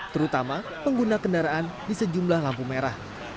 terutama pengguna kendaraan di sejumlah lampu merah